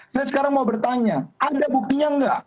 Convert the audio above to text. saya sekarang mau bertanya ada buktinya nggak